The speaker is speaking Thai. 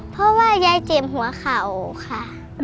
เพราะว่ายายเจ็บหัวเข่าค่ะ